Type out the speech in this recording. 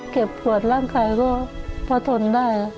เก็บหัวร่างกายก็พอทนได้